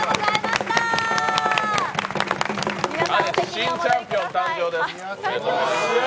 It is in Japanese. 新チャンピオン誕生です。